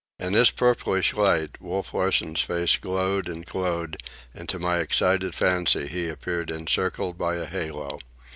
In this purplish light Wolf Larsen's face glowed and glowed, and to my excited fancy he appeared encircled by a halo.